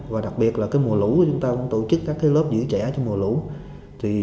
và đặc biệt là mùa lũ chúng ta cũng tổ chức các lớp dễ bơi